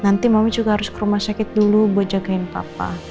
nanti mama juga harus ke rumah sakit dulu buat jagain papa